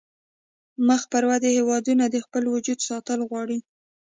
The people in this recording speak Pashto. مخ پر ودې هیوادونه د خپل وجود ساتل غواړي